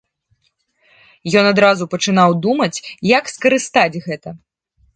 Ён адразу пачынаў думаць, як скарыстаць гэта.